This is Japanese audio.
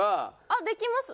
あっできます。